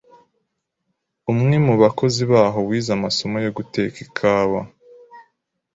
umwe mu bakozi baho wize amasomo yo guteka ikawa